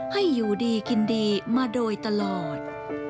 ให้อยู่ดีกินดีมาโดยตลอด